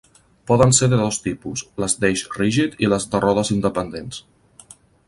Poden ser de dos tipus, les d'eix rígid i les de rodes independents.